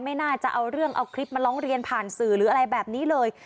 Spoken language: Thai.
ไม่น่าจะเอาเรื่องเอาคลิปมาร้องเรียนผ่านสื่อหรืออะไรแบบนี้เลย